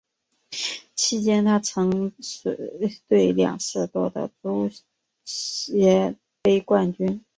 期间她曾随队两次夺得足协杯冠军。